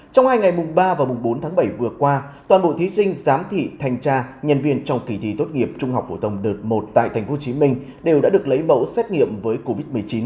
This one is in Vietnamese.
trong hai ngày mùng ba và mùng bốn tháng bảy vừa qua toàn bộ thí sinh giám thị thanh tra nhân viên trong kỳ thi tốt nghiệp trung học phổ thông đợt một tại tp hcm đều đã được lấy mẫu xét nghiệm với covid một mươi chín